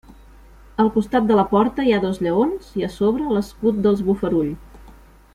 Al costat de la porta hi ha dos lleons i a sobre l'escut dels Bofarull.